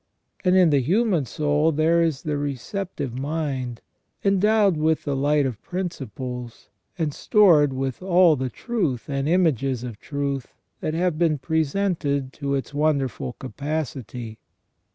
And in the human soul there is the receptive mind, endowed with the light of principles, and stored with all the truth and images of truth that have been presented to its wonderful capacity.